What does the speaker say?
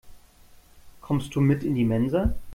Kommst du mit in die Mensa?